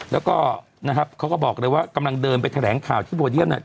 แล้วก็นะครับเขาก็บอกเลยว่ากำลังเดินไปแถลงข่าวที่โบเดียมเนี่ย